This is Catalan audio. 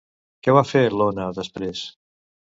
Què va fer l'Ona després?